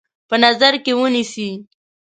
په نظر کې ونیسي.